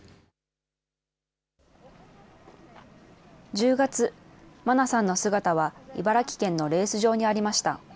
１０月、茉奈さんの姿は茨城県のレース場にありました。